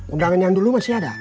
undangan yang dulu masih ada